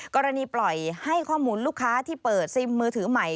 กรณีปล่อยให้ข้อมูลลูกค้าที่เปิดซิมมือถือใหม่